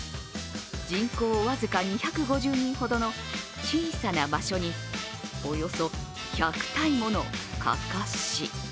人口僅か２５０人ほどの小さな場所におよそ１００体ものかかし。